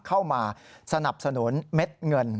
เข้ามาสนับสนุนเม็ดเงิน